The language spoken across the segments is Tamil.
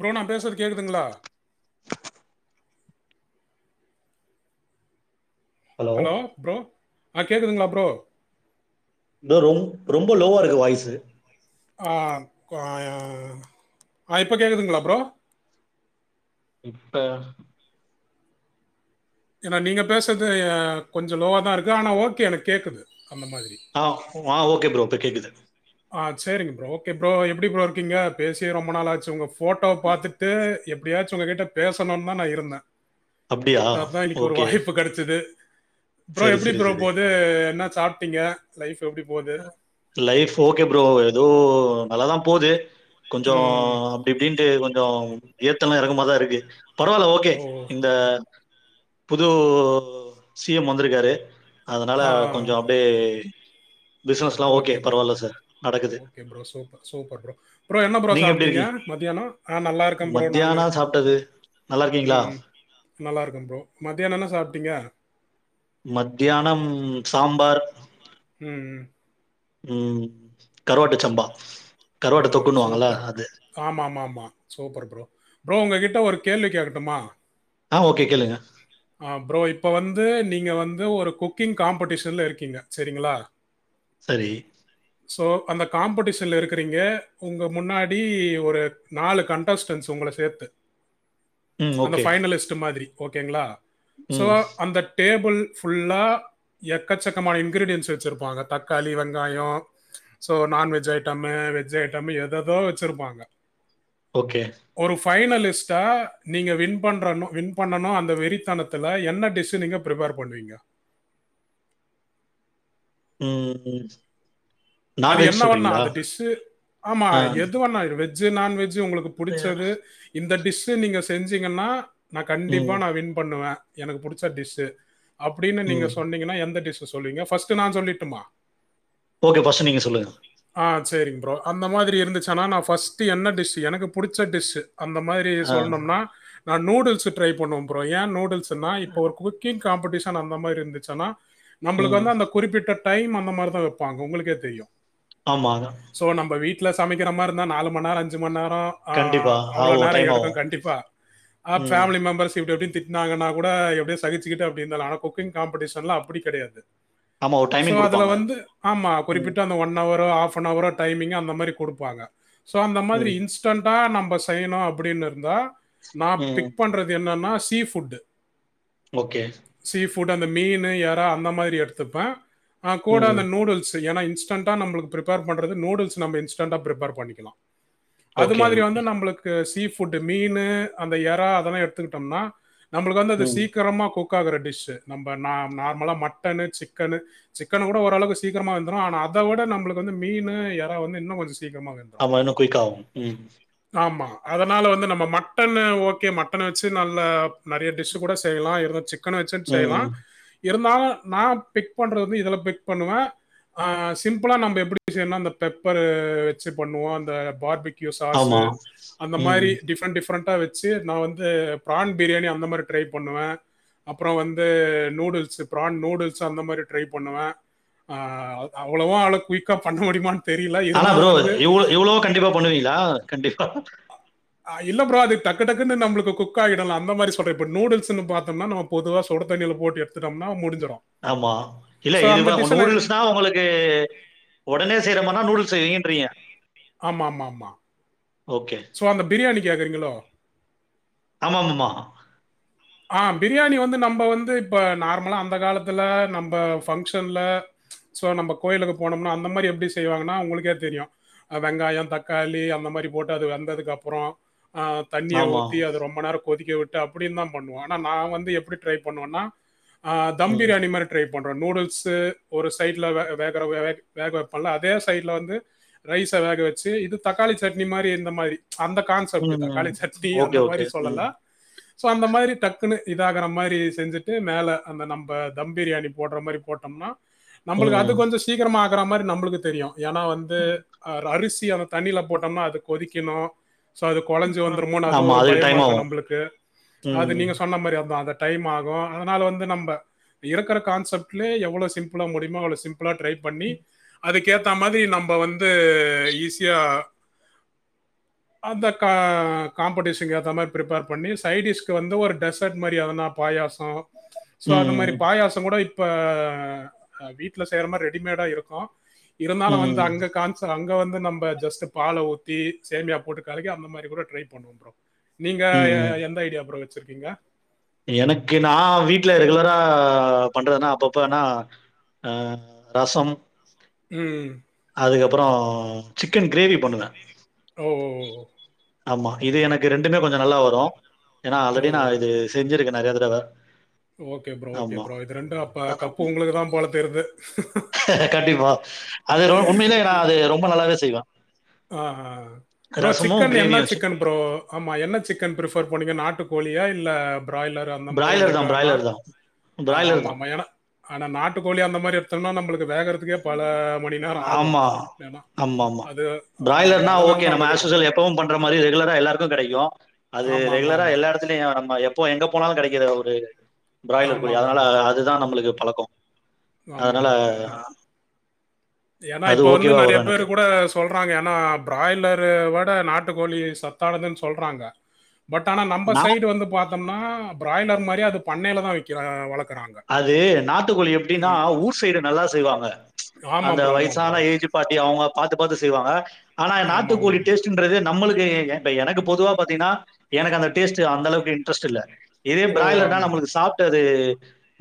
ப்ரோ நா பேசுறது கேட்குதுங்களா ஹலோ ப்ரோ ஆ கேட்குதுங்களா ப்ரோ ப்ரோ ரொ ரொம்ப லோவா இருக்கு வாய்சு ஆ கு ஆ இப்ப கேட்குதுங்களா ப்ரோ இப்ப ஏன்னா நீங்கள் பேசுறது எ கொஞ்ச லோவா தா இருக்கு ஆனா ஓகே எனக்கு கேட்குது அந்த மாதிரி ஆ ஆ ஓகே ப்ரோ இப்ப கேக்குது ஆ சேரிங்க ப்ரோ ஓகே ப்ரோ எப்டி ப்ரோ இருக்கீங்க பேசியே ரொம்ப நாளாச்சு உங்க போட்டோவ பாத்துட்டு எப்டியாச்சு உங்க கிட்ட பேசணு தா நா இருந்தே அப்டியா ஸோ அதா இன்னைக்கு ஒரு ஓகே வாய்ப்பு கெடைச்சுது அப்றோ சரி எப்டி சரி ப்ரோ சரி போது என்ன சாப்ட்டீங்க லைஃப் எப்டி போது லைஃப் ஓகே ப்ரோ ஏதோ நல்லாதா போது கொஞ்சோ ம். இப்டி இப்டின்ட்டு கொஞ்ச ஏத்தல்லு இறக்குமாதா இருக்கு பரவால்ல ஓகே ஓ! இந்த புது சி எம் வந்திருக்காரு அதனால ஆ. கொஞ்சொ அப்டியே பிசினஸ்லா ஓகே ப்ரோ ஓகே பரவால்ல ப்ரோ சார் நடக்குது okay bro super super bro bro என்ன ப்ரோ நீங்க எப்டி சாப்ட்டீங்க இருக்கீ மதியானோ மத்தியானோ சாப்ட்டது நல்லாருக்கீங்ளா நல்லாருக்கே ப்ரோ மத்தியானோ என்ன சாப்ட்டீங்க மத்தியானம் சம்பார் ம் ம் ம் கருவாட்டு சம்பா கருவாட்டு தொக்குனுவாங்களா அது ஆம்மாமாம்மா சூப்பர் ப்ரோ ப்ரோ உங்ககிட்ட ஒரு கேள்வி கேக்கட்டுமா ஆ ஓகே கேளுங்க ஆ ப்ரோ இப்போ வந்து நீங்க வந்து ஒரு குக்கிங் காம்படிஷன்ல இருக்கீங்க சரிங்களா சரி சோ அந்த காம்படிஷன்ல இருக்கறீங்க உங்க முன்னாடி ஒரு நாலு கண் டஸ்டன்ஸ் உங்கள சேத்து ம் அந்த ஓகே. பைனலிஸ்ட் மாதிரி ஓகேங்ளா சோ ம் அந்த டேபுள் ஃபுல்லா எக்கச்சக்கமான இன்க்ரீடியன்ஸ் வெச்சுருப்பாங்க தக்காளி வெங்காயோ so non veg item veg item ஏதேதோ வெச்சிருப்பாங்க ஓகே ஒரு பைனலிஸ்டா நீங்க வின் பண்றனு வின் பண்ணணு அந்த வெறித்தனத் துல என்ன டிஷ்ஸு நீங்க ப்ரிப்பேர் பண்ணுவீங்கோ ம் ம் அது என்ன வேண்ணா அது டிஷ்ஷு ஆமா ஆ எது வேண்ணா வெஜ்ஜு நான்வெஜ்ஜு உங்களுக்கு புடிச்சது இந்த டிஷ்ஷு நீங்க செஞ்சீங்கன்னா நா கண்டிப்பா ம் நா வின் பண்ணுவ எனக்கு பிடிச்ச டிஷ்ஷு அப்டின்னு நீங்க ம். சொன்னீங்கன்னா எந்த டிஷ் சொல்வீங்க பஸ்ட் நா சொல்லிட்டுமா ஓகே பஸ்ட் நீங்க சொல்லுங் ஆ சரிங் ப்ரோ அந்த மாரி இருந்துச்சுன்னா நான் ஃபஸ்ட்டு என்ன டிஷ்ஷு எனக்கு புடிச்ச டிஷ்ஷு அந்த மாரி ஆ சொல்லணொம்னா நா நூடுல்ஸு ட்ரை பண்ணுவோ ப்ரோ ஏ நூடுல்ஸுன்னா இப்போ ஒரு குறி க்கிங் காம்படிஷன் அந்த மாரி இருந்துச்சுன்னா நம்பளுக்கு ம் வந்து அந்த குறிப்பிட்ட டைம் அந்த மாரிதா வெப்பாங்க உங்களுக்கே தெரியு ஆமாங்க சோ நம்ப வீட்ல சமைக்கிற மாரிந்தா நாலு மண் நேரோ அஞ்சுமண் நேரோ அ கண்டிப்பா. அவ்ளோ ஆவும் நேரோ டைம் எடுக்கு ஆவும். கண்டிப்பா அ ம். ஃபேமிலி மெம்பர்ஸு இப்டி அப்டின் திட் திட்னாங்கனா கூட எப்டியோ சகிச்சுக்கிட்டு அப்டி இருந்தர்லா ஆனா குக்கிங் காம்படீஷன்லா அப்பிடி கெடையாது ஆமா ஒரு சோ டைமிங் அதுல குடுப்பாங்க. வந்து ஆமா ம் குறிப்பிட் ஒன் அவரோ ஹப்னவரோ டைமிங் அந்த மாரி கொடுப்பாங்க சோ அந்த மாரி ம் இன்ஸ்ட் ஃப்ரண்டா நம்ப செய்யணு அப்புடினிருந்தா நா ம். பிக் பண்றது என்னன்னா சி ஃபு ஃபுட்டு ஓகே சீ ஃபுட் அந்த மீனு எறா அந்த மாரி எடுத்துப்பே அ கூட ம். அந்த நூடுல்ஸு ஏனா இன்ஸ் இன்ஸ்டென்டா பிரிப்பர் பண்றது நூடுல்ஸ் நம்ப இன்ஸ்டென்டா பிரிப்பர் பண்ணிக்கலாம் அது ஓகே மாரி ஓகே. வந்து நம்ளுக்கு க சீ ஃபுட்டு மீனு அந்த எறா அதெல்லா எடுத்துக்கிட்டோம்னா நம்பளுக்கு வந்து அது ம். சீக் சீக்கிரமா குக் ஆகுற டிஷ்ஷு நம்ப நா நார்மலா மட்டனு சிக்கனு சிக்கனு கூட ஓரளவுக்கு சீக்கிரமா வந்துரு ஆனா அத விட நம்பளுக்கு வந்து மீனு எறா வந்து இன்னு கொஞ்சோ சீக்கிரமா வெந் ஆமா இன்னு குயிக் ஆகும் ம் ஆமா அதனால வந்து நம்ம மட்டனு ஓகே மட்டன் வெச்சு நல்லா நெறைய ஃபிஷ்ஷு கூட செய்யலா இருந்த சிக்கனு வெச்சு செய்யலா ம். இருந்தாலும் நான் பிக் பண்றது வந்து இதுல பிக் பண்ணுவேன் ஆ ச சிம்பிளா நம்ப எப்டி செய்னா அந்த பெப்பரு வெச்சு பண்ணுவோம் அந்த பார்பிக் க்யூ சாசு ஆமா. அந்த ம். மாரி டிஃபரெண்ட் டிஃபரெண்டா வெச் சேர் நா வந்து ப்ரான் பிரியாணி அந்த மாரி ட்ரை பண்ணுவே அப்பறோ வந்து நூடுல்ஸ் ப்ரான் நூடுல்ஸ் அந்த மாரி ட்ரைப் பண்ணுவே ஆ அவ்வளவோ அவ்ள குய்க்கா பண்ண முடியுமான் ஆ ப்ரோ இவ்ளோ இவ்வளோவோ கண்டிப்பா பண்ணுவீங்ளா கண்டிப்பா அ இல்ல ப்ரோ அது டக்கு டக்குனு நம்ப்ளுக்கு குக்காயிடுல அந்த மாரி சொல்றே இப்ப நூடுல்ஸுன்னு பாத்தம்னா நம்ம பொதுவா சுடு தண்ணில போட்டு எடுத்துட்டம்னா முடிஞ்சிடு ஆமா இல்ல இதுவ உ நூடுல்ஸ்னா ஒங்களுக் கு ஒடனே செய்யற மார்னா நூடுல்ஸ் செய்வன்றீங்க ஆமாமாமா ஓகே ஓ அந்த பிரியாணி கேக்குறீங்களோ ஆமாமமா ஆ பிரியாணி வந்து நம்ப வந்து இப்ப நார்மலா அந்த காலத்துல நம்ப ஃபங்க்ஷன்ல சோ நம்ப கோயிலுக்கு போனோம்னா அந்த மாரி எப்டி செய்வாங்கன்னா உங்களுக்கே தெரியு அ வெங்காயோ தக்காளி அந்த மாரி போட்டு அது வெந்ததுக்கப்புறோ ஆ தண்ணிய ஆமா. ஆமா. ஊத்தி அது ரொம்ப நேரம் கொதிக்க விட்டு அப்டின்னு தா பண்ணுவோ ஆனா நா வந்து எப்டி ட்ரை பண்ணுவன்னா ஆ தம் ம். பிரியாணி மாரி ட்ரை பண்றோ நூடுல்ஸ் ஒரு சைடுல வே அ வேகர வேக் வேக வைப்பன்ல அதே சைட்ல வந்து ரைச வேக வச்சு இது தக்காளி சட்னி மாரி இந்த மாரி அந்த கான்செப்ட் ம். தக்காளி சட்னி ஓகே, அந்த ஓகே. மாரி ம். சொல்லலா சோ அந்த மாரி டக்குன்னு இதாகுற மாரி செஞ்சுட்டு மேல அந்த நம்ப தம் பிரியாணி போடுற மாரி போட்டோம்னா நம்பளுக்கு அது ம். கொஞ்சொ சீக்கிரமா ஆகுற மாரி நம்பளுக்கு தெரியு ஏனா வந்து அ அரிசி அ தண்ணில போட்டோம்னா அது கொதிக்கணு சோ அது கொலஞ்சி வந்துருமோன்னு அது ஆமா. ஒரு அதுக்கு பயமா டைம் இருக்கு ஆகும். நம்மளுக்கு அது ம். நீங்க சொன்ன மாரி அதா அந்த டைம் ஆகு அதனால வந்து நம்ப இருக்குற கான்செப்ட்லே எவ்ளோ சிம்பிளா முடியுமோ அவ்ளோ சிம்ப் ப்ளா ட்ரை பண்ணி அதுக்கேத்தா மாதிரி நம்ப வந்து ஈஸியா அந்த கா காம்படிஷனுக் ஏத்த மாரி ப்ரிஃப்பேர் பண்ணி சைடிஸ் வந்து ஒரு டெசர்ட் மாரி எதனா பாயாசோ சோ அந்த மாரி ம். பாயாசோ கூட இப் ப அ வீட்ல செய்ற மாரி ரெடிமேடா இருக்கு இருந்தாலு வந்து ம். அங்க காந் ஸ் அங்க வந்து நம்ப ஜஸ்ட் பால ஊத்தி சேமியா போட்டு கலக்கி அந்த மாரி கூட ட்ரை பண்ணுவ ப்ரோ நீங்க ம். எந்த ஐடியா ப்ரோ வச்சிருக்கீங்க எனக்கு நா வீட்ல ரெகுலரா பண்றதுன்னா அப்பப்பனா ஆ ரசம் ம் ம் ம் அதுக்கப்பறோ சிக்கன் கிரேவி பண்ணுவே ஓ ஒ ஒ ஓ ஆமா இது எனக்கு ரெண்டுமே கொஞ்சொ நல்லா வரு ஏனா ஓ ஆல்ரெடி நா இது செஞ்சிருக்கே நெறைய தடவ ஓகே ப்ரோ ஓகே ஆமா. ப்ரோ இது ரெண்டு அப்ப கப்பு உங்களுக்கு தா போல தெர்து கண்டிப்பா அது ரொம்ப உண்மையிலே நா அது ரொம்ப நல்லாவே செய்வே ஆ ஹ ப்ரோ சிக்கன்ல என்ன கிரேவியும் வச்சு சிக்கன் ப்ரோ ஆமா என்ன சிக்கன் பிரிஃபர் பண்ணுவிங்க நாட்டு கோழியா இல்ல பிராயலர் அ ந்த மாரி பிராய்லர் தான் லெகானா பிராய்லர் தான் அ பிராய்லர் தான் ஆமாமா எனா ஆனா நாட்டுக்கோழி அந்த மாரி எடுத்தோனா நம்மளுக்கு வேகறக் மிக பல மணி நேரோ ஆக ஆமா ஏனா ஆமா ஆமா அது ஆமா ஆமா பிராய்லர்னா அதனால ஓகே தான் நம்ம உங்ககிட்ட ஆஸ்யுசுவல் கேட்டேன் எப்பவு பண்ற மாரி ரெகுலரா எல்லாருக்கு கெடைக்கு அது ஆமா ஆமா ரெகுலரா ஆமா எல்லா எடத்துலய நம்ம எப்போ எங்க போனாலு கெடைக்கிற ஒரு பிராய்லர் ஆமா கோழி ஆமா அதனால ஆமா அதுதா நம்மளுக்கு பழக்கோ அதனால ஏனா அது இப்ப வந்து ஓகேவா நெறைய வரும் பேரு எனக்கு கூட சொல்றாங்க ஏனா பிராய்லரு விட நாட்டு கோழி சத்தானதுனு சொல்றாங்க பட் ஆனா நம்ம நான் சைடு வந்து பாத்தோம்னா பிராய்லர் மாரி அது பண்ணையில தா விக்கி வளக்குறா அது நாட்டுக்கோழி எப்டின்னா ஊர் சைடு நல்லா செய்வாங்க ஆமாம் அந்த ப்ரோ ஆமாம் ப்ரோ வயசான ஏஜ் பாட்டி அவுங்க பாத்து பாத்து செய்வாங்க ஆனா ஆமாம் ஆமாம் நாட்டுக்கோழி ஆமாம் டேஸ்ட்ன்றது நம்மளுக்கு எ எனக்கு பொதுவா பாத்தீன்னா எனக்கு அந்த டேஸ்ட் அந்த அளவுக்கு இன்ட்ரெஸ்ட் இல்ல இது ஓ பிராய்லர்ன்னா ஆமாம் ப்ரோ நம்மளுக்கு சாப்ட்டது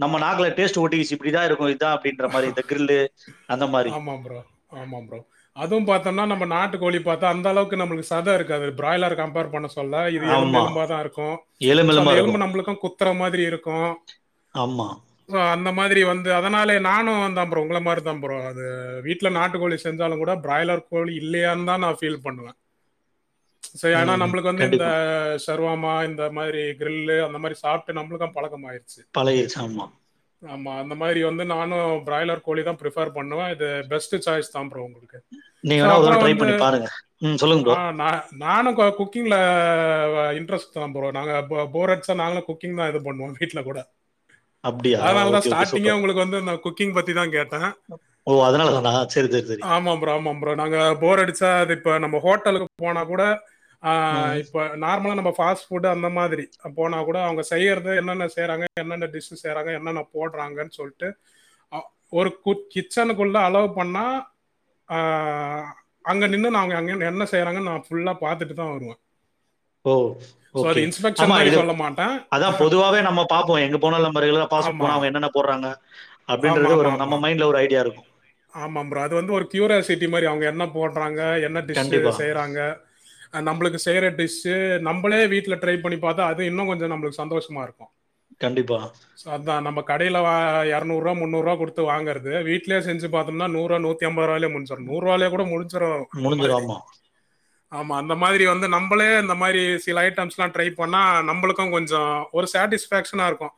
நம்ம நாக்கல டேஸ்ட் ஒட்டிகிச்சு இப்டிதா இருக்கு இதா அப்டின்ற மாரி இந்த கிரில்லு அந்த மாரி ஆம் ஃப்ரோ ஆமாம் ஃப்ரோ அதுவு பாத்தோம்னா நம்ப நாட்டு கோழி பாத்தா அந்த அளவுக்கு நம்மளுக்கு சத இருக்காது பிராய்லர் கம்பேர் பண்ண சொல சொல்ல இது எலும்பு ஆமா. எலும்பா தா இருக்கு எலும் சோ அந்த எலும்பா எலும்பு இருக்கும். நம்பளுக்கு குத்துற மாதிரி இருக்கு ஆமா சே அந்த மாதிரி வந்து அதனாலே நானு அதா ஃப்ரோ உங்கள மாரி தா ஃப்ரோ அது வீட்ல நாட்டுக்கோழி செஞ்சாலு கூட பிராய்லர் கோழி‌ இல்லையான் தா நா பீல் பண்ணுவ சே ஆனா ம். நம்பளுக்கு வந்து இந்த கண்டிப்பா. ஷாருவோமா இந்த மாதிரி கிரில்லு அந்த மாரி சாப்ட்டு நம்மளுக்கு பழக்கமாயிருச்சு பழகிர்ச்சாம்மா ஆமா அந்த மாரி வந்து நானு பிராய்லர் கோழி தா பிரிஃபர் பண்ணுவ இது பெஸ்ட் சாய்ஸ் தா ஃப்ரோ உங்களுக்கு நீங்க சோ வேணா ஒரு அப்றோ தடவ ட்ரை வந்து பண்ணி பாருங்க. ம் சொல்லுங்க ஆ ப்ரோ. நா நானு கோ குக்கிங்கில இன்ட்ரெஸ்ட் தா ஃப்ரோ நாங்க போ போர் அடுச்சா நாங்களு குக்கிங் தா இது பண்ணுவோ வீட்ல்லா கூட அப்படியா? அதனால தா ஓகே, ஓகே. ஸ்டார்ட்டிங்கே சூப்பர். உங்ளுக் கு வந்து நா குக்கிங் பத்தி தா கேட்ட ஓ அதனால தானா சேரி சேரி சேரி ஆமா ஃப்ரோ ஆமாம் ப்ரோ நாங்க போர் அடிச்சா அது இப்ப நம்ம ஹோட்டலுக்கு போனா கூட ஆ ம். இப்ப நார்மலா நம்பா ஃபாஸ்ட் ஃபுட் அந்த மாதிரி அப்போனா கூட அவுங்க செய்றது என்னென்ன செய்றாங்க என்னென்ன டிஸ் செய்றாங்க என்னென்ன போடுறாங்கன்னு சொல்ட்டு ஒரு கு கிச்சனுக்குள்ள அலோவ் பண்ணா ஆ அங்க நின்னு நா அவுங்க அங்க என்ன செய்றாங்கன்னு நான் ஃபுல்லா பாத்துட்டு தா வருவ ஓ ஓகே இன்ஸ்பெக்ஷன் ஆமா மாரி இதா சொல்ல மாட்டேன். அதா பொதுவாவே நம்ம பாப்போ எங்க போனல்மோ நம்ம ரெகுல பாச ஆமா. போனா அவுங்க என்னா போறாங்க அப்டின்றது ஒரு நம்ம மைண்ட்ல ஒரு ஐடியா இருக்கு ஆமாம் ஃப்ரோ அது வந்து ஒரு கியூராசிட்டி மாரி அவுங்க என்ன போடுறாங்க என்ன டிஸ்ஸு கண்டிப்பா, செய்றாங்க நம்பளுக்கு செய்ற டிஷ்ஷு நம்பளே வீட்ல ட்ரை பண்ணி பாத்தா அது இன்னும் கொஞ்சோ நம்பளுக்கு சந்தோஷமா இருக்கு கண்டிப்பா சோ அதா நம்ப கடயில வா எறநூறு ரூவா முன்னூறு ரூபா குடுத்து வாங்குரது வீ்ட்லையே செஞ்சு பாத்தோம்ன்னா நூறு ரூபா நூத்தி அம்பது ரூவாயிலே முடிச்சு நூறு ருவாயிலே கூட முடிஞ்சுறு அந்த முடிஞ்சிரும். மாதிரி ஆமா. ஆமா அந்த மாதிரி வந்து நம்பளே அந்த மாதிரி சில ஐட்டம்ஸ் எல்லா ட்ரை பண்ணா நம்பளுக்கு கொஞ்சோ ஒரு சேட்டிஸ்ஃபக்ஷனா இருக்கு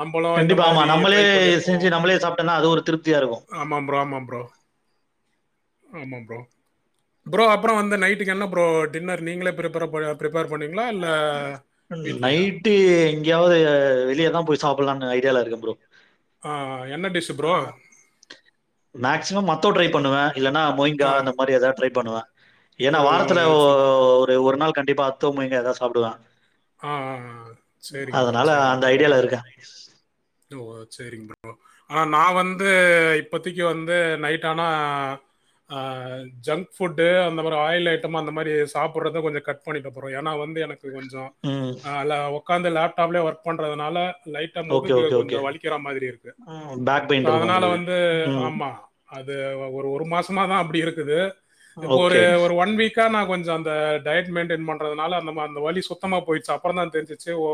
நம்பலு இந்த கண்டிப்பா. ஆமா. மாதிரி நம்மளே ட்ரை பண்ணிருக்கோ செஞ்சு நம்மளே சாப்பிட்டோம்னா அது ஒரு திருப்தியா இருக்கும். ஆமா ப்ரோ ஆமா ப்ரோ ஆமா ப்ரோ ப்ரோ அப்புறோ வந்து நைட்டுக்கு என்ன ப்ரோ டின்னர் நீங்களே பிரிப்பேர்பர ப்ரிப்பேர் பண்ணுவிங்ளா இல்ல வீட்லயா ட்டி எங்கேயாவது வெளியதா போய் சாப்பட்லானு ஐடியால இருக்க ப்ரோ ஆ என்ன டிஷ்ஷு ப்ரோ மேக்சிமம் அத்தோ ட்ரை பன்னுவ இல்லன்னா மொய்ங்கா ஆ. அந்த மாரி ஏதா ட்ரை பண்ணுவ ஏனா ஓ! வாரத்துல ஒ சூப்பர். ஒரு ஒரு நாள் கண்டிப்பா அத்தோ மொய்ங்கா எதனா சாப்டுவ ஆ, ஆ, ஆ. சரிங்க ப்ரோ, அதனால சரிங்க அந்த ப்ரோ. ஐடியால இருக்க ஓ சேரிங் ப்ரோ ஆனா நா வந்து இப்போத்திக்கு வந்து நைட் ஆனா ஆ ஜங்க் ஃபுட்டு அந்த மாரி ஆயில் ஐட்டமா அந்த மாரி சாப்புட்றத கொஞ்சோ கட் பண்ணிட்ட ப்ரோ ஏனா வந்து எனக்கு கொஞ்சோ ம் நல்லா ஒக்காந்து லேப்டாப்லயே ஒர்க் பண்றதுனால லைட்ட ஓகே, முதுகு ஓகே, கொஞ்சோ ஓகே. வலிக்கிற மாதிரி இருக்கு பேக் சோ பெயின் இருக்கும் அதனால உங்களுக்கு. வந்து ம். ஆமா அது ஒரு ஒரு மாசமா தா அப்டி இருக்குது இப்போ ஒரு ஓகே. ஒரு ஒன் வீக் கா நா கொஞ்சோ அந்த டயட் மெயின்டைன் பண்றதுனால அந்தமா அந்த வலி சுத்தமா போயிடுச்சு அப்பறோ தா தெரிஞ்சுச்சு ஓ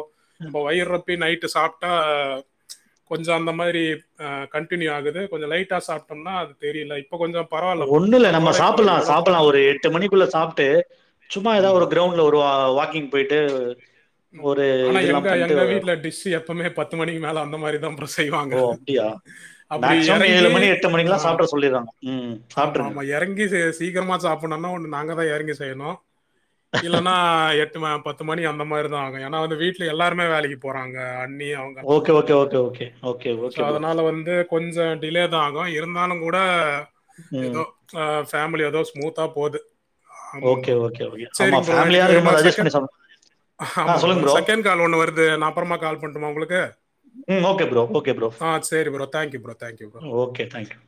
நம்ப வயிறொப்பி நைட்டு சாப்ட்டா கொஞ்சோ அந்த மாரி அ கன்டினியூ ஆகுது கொஞ்ச லைட்டா சாப்ட்டோம்னா அது தெரில இப்போ கொஞ்சம் பரவாயில்ல ப்ரோ ஒண்ணு இல்ல நம்ம முன்னத்தோட இப்போ சாப்பலா எவ்வளோ சாப்பலா பரவாயில்ல ஒரு எட்டு மணிக்குள்ள சாப்ட்டு சும்மா ஏதாவது ஆமாம் ஒரு ப்ரோ கிரௌண்ட் குல்ல ஒரு வாக்கிங் போயிட்டு ம் ஒரு ஆனா எங்க இதெல்லாம் பண்ட்டு எங்க வீட்ல டிஸ்ஷு எப்பவுமே பத்து மணிக்கு மேல அந்த மாரி தா ப்ரோ செய்வாங்க ஓ! அப்டியா? அப்படி மேக்ஸிமம் எறங்கி மணி, ஆ மணிக்கெல்லாம் சாப்ட்ற சொல்லிர்றாங்க. ம். ஆமா சாப்ட்ருங்க. ஆமா எறங்கி செய்ய சீக்கரமா சாப்புட்னுனா ஒன்னு நாங்க தா எறங்கி செய்யணு இல்லன்னா எட்டும பத் பத்து மணி அந்த மாரிதா ஆகு ஏனா வந்து வீட்ல எல்லாருமே வேலைக்கு போறாங்க அண்ணி அவு ங்க எல்லா okay, okay, okay, okay. Okay, so okay bro. அதனால வந்து கொஞ்சோ டிலே தா ஆகு இருந்தாலு கூட ம். ஏதோ அ ஃபேமிலி ஏதோ ஸ்மூத்தா போது ஆமாம் ஓகே, ப்ரோ ஓகே, ஓகே. ஆமா, சேரிங்க ப்ரோ ஃபேமிலியா எனக்கு இன்னொரு இருக்கும்போது அட்ஜஸ்ட் பண்ணி செகண்ட் சாப்டணும். ஆ ஆமா ப்ரோ சொல்லுங்க செகண்ட் கால் ஒண்ணு வருது நா அப்பறமா கால் பண்ட்டுமா உங்களுக்கு ம் ஓகே ப்ரோ ஓகே ப்ரோ ஆ சேரி bro thank you bro thank you bro okay thank you